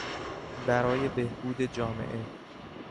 برای بهبود جامعه